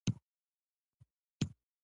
زه چې تا ته مخ کړم، حقیقت دی.